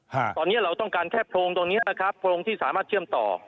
ตอนเนี้ยเราต้องการแค่โพรงตรงเนี้ยนะครับโพรงที่สามารถเชื่อมต่อ